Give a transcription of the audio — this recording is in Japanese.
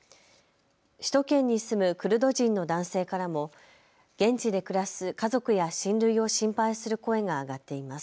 首都圏に住むクルド人の男性からも現地で暮らす家族や親類を心配する声が上がっています。